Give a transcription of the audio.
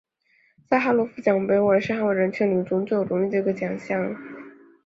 萨哈罗夫奖也被认为是捍卫人权领域中最具有荣誉的一项奖励。